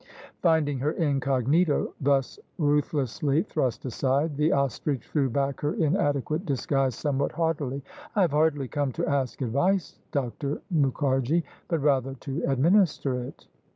Finding her incognito thus ruthlessly thrust aside, the ostrich threw back her inadequate disguise somewhat haughtily. " I have hardly come to ask advice. Dr. Muk harji, but rather to administer it."